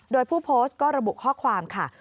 โดยผู้โพสต์ก็ระบุข้อความค่ะ